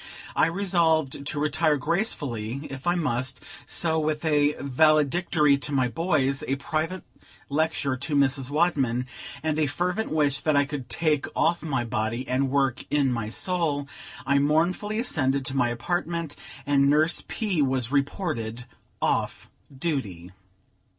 I resolved to retire gracefully, if I must; so, with a valedictory to my boys, a private lecture to Mrs. Wadman, and a fervent wish that I could take off my body and work in my soul, I mournfully ascended to my apartment, and Nurse P. was reported off duty.